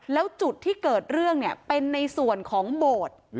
แล้วจุดที่เกิดเรื่องเนี่ยเป็นในส่วนของโบสถ์